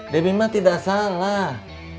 debbie mah tidak salah